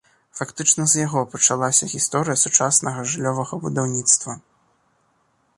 Фактычна з яго пачалася гісторыя сучаснага жыллёвага будаўніцтва.